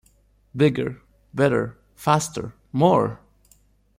Bigger, Better, Faster, More!